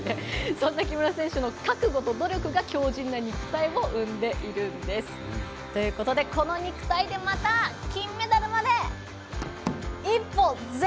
そんな木村選手の覚悟と努力が強じんな肉体を生んでいるんです。ということで、この肉体でまた金メダルまで一歩前進です！